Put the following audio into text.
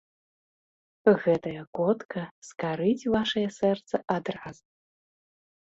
Гэтая котка скарыць вашае сэрца адразу.